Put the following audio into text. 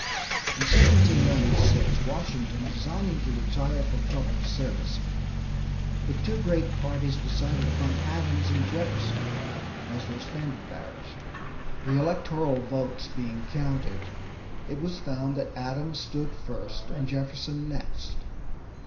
In 1796, Washington designing to retire from public service, the two great parties decided upon Adams and Jefferson as their standard bearers; the electoral votes being counted, it was found that Adams stood first and Jefferson next.